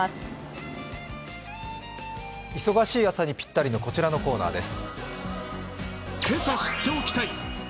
忙しい朝にぴったりのこちらのコーナーです。